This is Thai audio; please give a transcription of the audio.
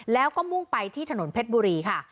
แล้วก็มุ่งไปที่ถนนเพชรบุรีค่ะ